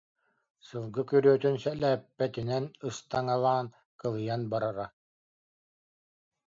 Сылгы күрүөтүн сэлээппэтинэн ыстаҥалаан, кылыйан барара